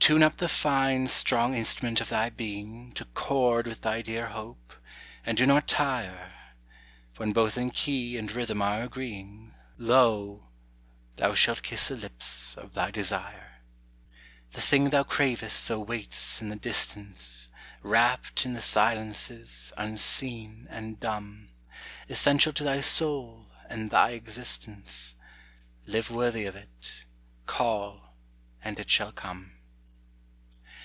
Tune up the fine, strong instrument of thy being To chord with thy dear hope, and do not tire. When both in key and rhythm are agreeing, Lo! thou shalt kiss the lips of thy desire. The thing thou cravest so waits in the distance, Wrapt in the silences, unseen and dumb: Essential to thy soul and thy existence Live worthy of it call, and it shall come.